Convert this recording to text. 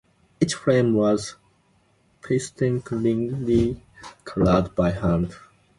Each frame was painstakingly colored by hand.